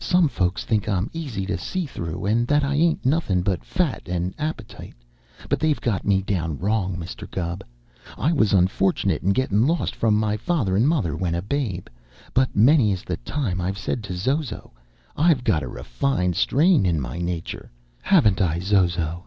Some folks think I'm easy to see through and that I ain't nothin' but fat and appetite, but they've got me down wrong, Mr. Gubb. I was unfortunate in gettin' lost from my father and mother when a babe, but many is the time I've said to Zozo, 'I got a refined strain in my nature.' Haven't I, Zozo?"